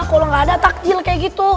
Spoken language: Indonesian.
kalau nggak ada takjil kayak gitu